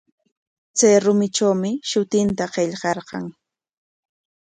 Chay rumitrawmi shutinta qillqarqan.